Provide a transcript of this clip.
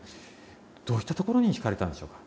どういったところにひかれたんでしょうか？